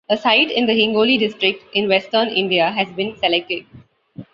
A site in the Hingoli district in western India has been selected.